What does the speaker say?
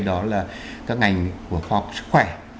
đó là các ngành của khoa học sức khỏe